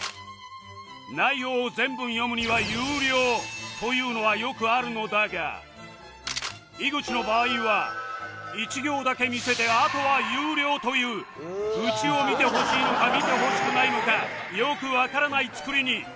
内容を全文読むには有料というのはよくあるのだが井口の場合は１行だけ見せてあとは有料という愚痴を見てほしいのか見てほしくないのかよくわからない作りに